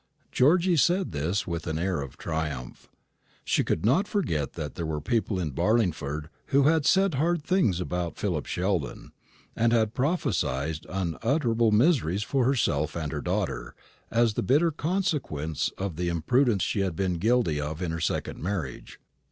Georgy said this with an air of triumph. She could not forget that there were people in Barlingford who had said hard things about Philip Sheldon, and had prophesied unutterable miseries for herself and her daughter as the bitter consequence of the imprudence she had been guilty of in her second marriage.